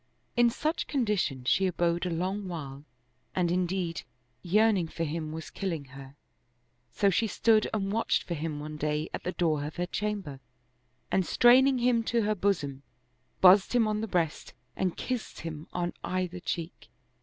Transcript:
In such condition she abode a long while and indeed yearning for him was killing her ; so she stood and watched for him one day at the door of her chamber and straining him to her bosom, bussed him on the breast and kissed him on either cheek.